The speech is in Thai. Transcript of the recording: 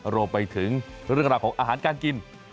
รวมไปถึงเรื่องราวของอาหารการกิน